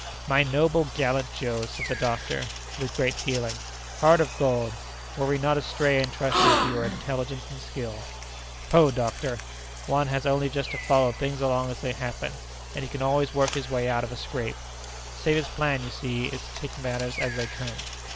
"My noble, gallant Joe!" said the doctor, with great feeling. "Heart of gold! we were not astray in trusting to your intelligence and skill." "Poh! doctor, one has only just to follow things along as they happen, and he can always work his way out of a scrape! The safest plan, you see, is to take matters as they come."